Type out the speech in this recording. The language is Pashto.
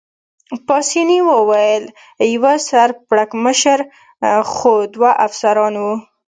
پاسیني وویل: یوه سر پړکمشر مشر خو دوه افسران وو.